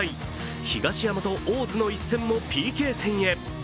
東山と大津の一戦もＰＫ戦へ。